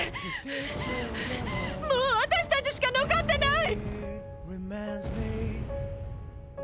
もう私たちしか残ってない！